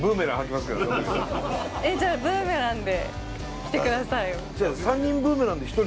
えっじゃあブーメランで来てください。